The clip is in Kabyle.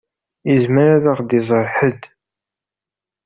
Izmer ad ɣ-d-iẓeṛ ḥedd.